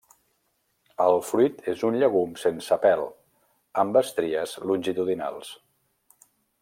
El fruit és un llegum sense pèl, amb estries longitudinals.